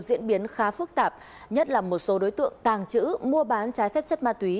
diễn biến khá phức tạp nhất là một số đối tượng tàng trữ mua bán trái phép chất ma túy